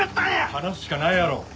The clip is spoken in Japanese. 話すしかないやろ。